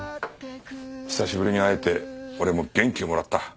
久しぶりに会えて俺も元気をもらった。